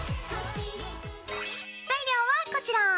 材料はこちら。